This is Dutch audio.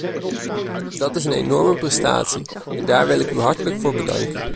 Dat is een enorme prestatie, en daar wil ik u hartelijk voor bedanken.